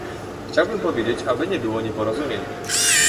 Chciałbym powiedzieć, aby nie było nieporozumień